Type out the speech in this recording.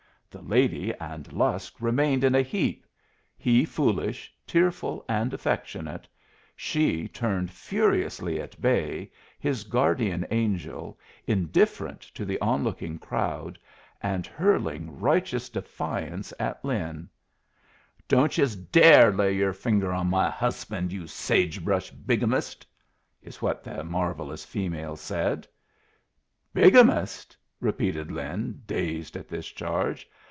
The lady and Lusk remained in a heap, he foolish, tearful, and affectionate; she turned furiously at bay, his guardian angel, indifferent to the onlooking crowd, and hurling righteous defiance at Lin. "Don't yus dare lay yer finger on my husband, you sage brush bigamist!" is what the marvelous female said. "Bigamist?" repeated Lin, dazed at this charge.